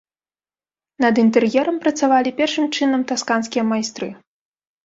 Над інтэр'ерам працавалі першым чынам тасканскія майстры.